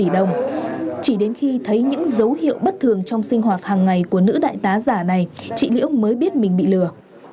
với những dấu hiệu bất thường trong sinh hoạt hàng ngày của nữ đại tá giả này chị liễu mới biết mình bị lừa